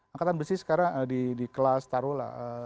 angkatan besi sekarang di kelas taruhlah